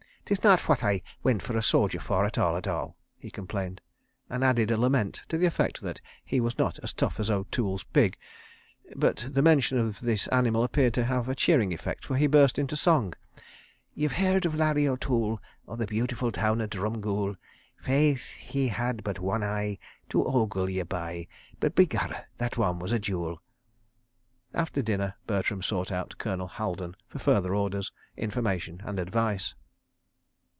"'Tis not phwat I wint for a sojer for, at all, at all," he complained, and added a lament to the effect that he was not as tough as O'Toole's pig. But the mention of this animal appeared to have a cheering effect, for he burst into song. "Ye've heard of Larry O'Toole, O' the beautiful town o' Drumgool? Faith, he had but wan eye To ogle ye by, But, begorra, that wan was a jool. ..." After dinner, Bertram sought out Colonel Haldon for further orders, information and advice.